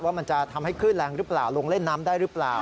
มันจะทำให้คลื่นแรงหรือเปล่าลงเล่นน้ำได้หรือเปล่า